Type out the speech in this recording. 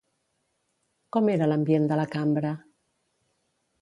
Com era l'ambient de la cambra?